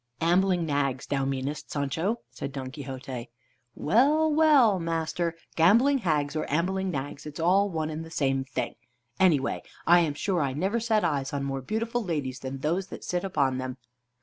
"Ambling nags, thou meanest, Sancho," said Don Quixote. "Well, well, master, gambling hags or ambling nags, it's all one and the same thing. Any way, I'm sure I never set eyes on more beautiful ladies than those that sit upon them."